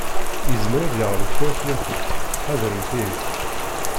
Yezmer ad d-yeɣli kra fell-akent, ḥadremt ihi.